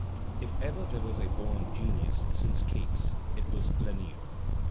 If ever there was a bom genius since Keats, it was Lanier.